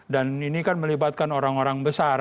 dan ini kan melibatkan orang orang besar